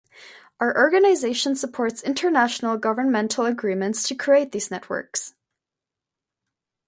Our organisation supports international governmental agreements to create these networks.